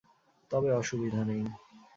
তবে অসুবিধা নেই।